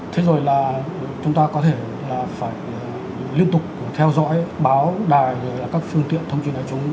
thế rồi là chúng ta có thể phải liên tục theo dõi báo đài các phương tiện thông tin đại chúng